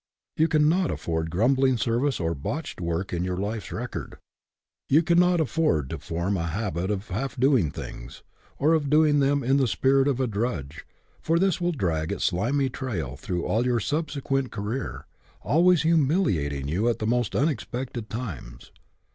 You cannot afford grumbling service or botched work in your life's record. You cannot afford to form a 8o SPIRIT IN WHICH YOU WORK habit of half doing things, or of doing them in the spirit of a drudge, for this will drag its slimy trail through all your subsequent career, always humiliating you at the most unexpected times.